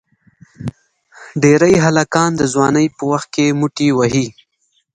ډېری هلکان د ځوانی په وخت کې موټی وهي.